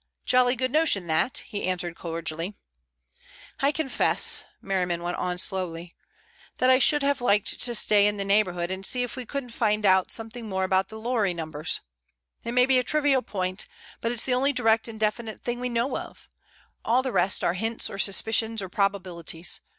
"Jolly good notion, that," he answered cordially. "I confess," Merriman went on slowly, "that I should have liked to stay in the neighborhood and see if we couldn't find out something more about the lorry numbers. It may be a trivial point, but it's the only direct and definite thing we know of. All the rest are hints or suspicions or probabilities.